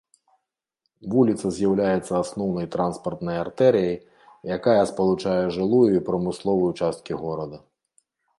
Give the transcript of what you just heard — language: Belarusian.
Вуліца з'яўляецца асноўнай транспартнай артэрыяй, якая спалучае жылую і прамысловую часткі горада.